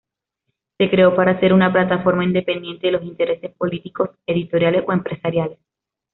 Se creó para ser una plataforma independiente de los intereses políticos, editoriales o empresariales.